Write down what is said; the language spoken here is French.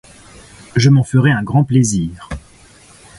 Je m’en ferai un grand plaisir.